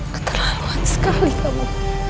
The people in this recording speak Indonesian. keterlaluan sekali kamu